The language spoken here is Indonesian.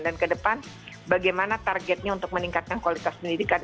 dan ke depan bagaimana targetnya untuk meningkatkan kualitas pendidikan